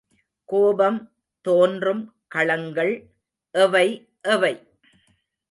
கோபம் தோன்றும் களங்கள் எவை எவை?